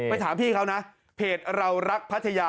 ถามพี่เขานะเพจเรารักพัทยา